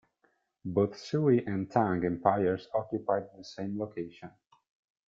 Both Sui and Tang empires occupied the same location.